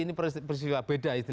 ini peristiwa beda